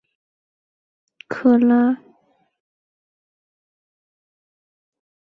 阿古利可拉。